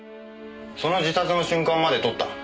その自殺の瞬間まで撮った。